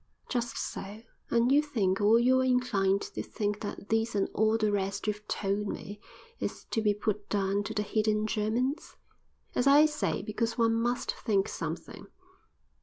"Just so; and you think or you're inclined to think that this and all the rest you've told me is to be put down to the hidden Germans?" "As I say; because one must think something."